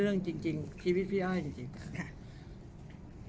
เรื่องจริงชีวิตพี่อ้ายจริง